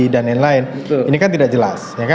lain lain ini kan tidak jelas